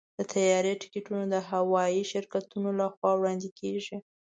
د طیارې ټکټونه د هوايي شرکتونو لخوا وړاندې کېږي.